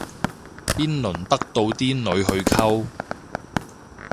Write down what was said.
邊輪得到啲女去溝